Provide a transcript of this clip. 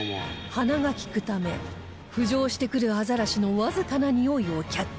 鼻が利くため浮上してくるアザラシのわずかなにおいをキャッチ